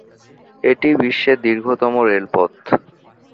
এটি বিশ্বের দীর্ঘতম রেলপথ।